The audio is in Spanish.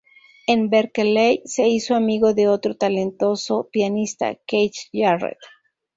En Berkeley se hizo amigo de otro talentoso pianista, Keith Jarret.